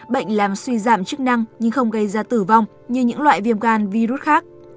bệnh làm suy giảm chức năng nhưng không gây ra tử vong như những loại viêm gan virus khác